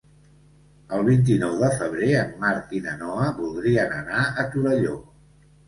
El vint-i-nou de febrer en Marc i na Noa voldrien anar a Torelló.